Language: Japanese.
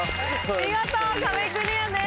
見事壁クリアです。